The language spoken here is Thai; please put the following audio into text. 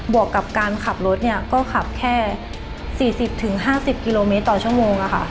วกกับการขับรถก็ขับแค่๔๐๕๐กิโลเมตรต่อชั่วโมง